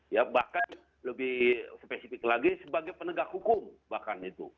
ya bahkan lebih spesifik lagi sebagai penegak hukum bahkan itu